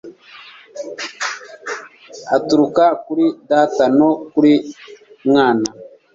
aturuka kuri data no kuri mwana